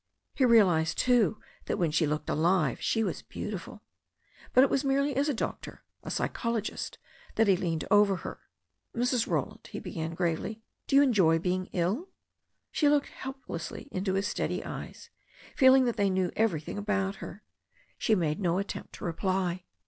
He realized, too, that when she looked alive she was beautiful. But it was merely as a doctor, a psychologist, that he leaned over her. "Mrs. Roland," he began gravely, "do you enjoy being ill ?" She looked helplessly into his steady eyes, feeling that they knew everything about her. She made no attempt to reply.